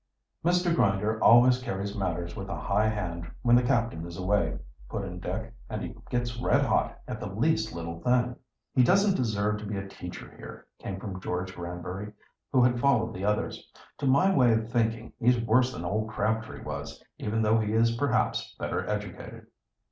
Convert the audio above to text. "Mr. Grinder always carries matters with a high hand when the captain is away," put in Dick. "And he gets red hot at the least little thing." "He doesn't deserve to be a teacher here," came from George Granbury, who had followed the others. "To my way of thinking, he's worse than old Crabtree was, even though he is perhaps better educated."